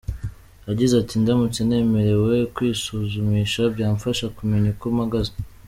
Yagize ati “Ndamutse nemerewe kwisuzumisha byamfasha kumenya uko mpagaze.